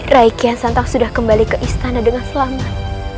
rai kian santang sudah kembali ke istana dengan selamat